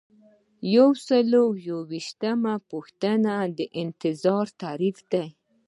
یو سل او یوولسمه پوښتنه د انتظار تعریف دی.